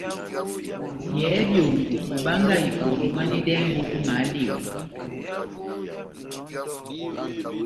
Yɛhɛ byongo, obangahi ipɔ dimwanedɛngo ó mahaleya.